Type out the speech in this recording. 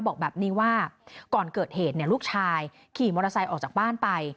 บอกแบบนี้ว่าก่อนเกิดเหตุลูกชายขี่มอเตอร์ไซค์ออกจากบ้านไป